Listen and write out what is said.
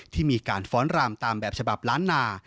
ที่มีการฟ้อนรำตามแบบฉบับล้านนา